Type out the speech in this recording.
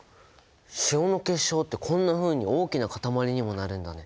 塩の結晶ってこんなふうに大きなかたまりにもなるんだね。